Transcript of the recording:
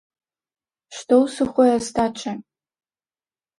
Што ў сухой астачы?